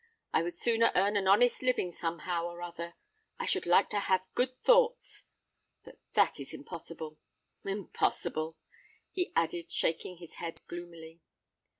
I would sooner earn an honest living somehow or another: I should like to have good thoughts——But that is impossible—impossible!" he added, shaking his head gloomily.